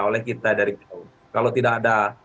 oleh kita dari jauh kalau tidak ada